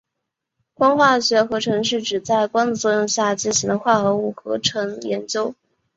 光化学合成是指在光的作用下进行的化合物合成研究。